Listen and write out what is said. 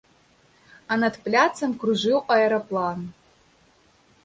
А над пляцам кружыў аэраплан.